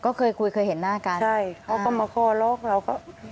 ก็เคยคุยเคยเห็นหน้ากันใช่เขาก็มาคอล็อกเราก็